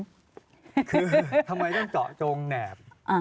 คือทำไมต้องเจาะจงแหนบ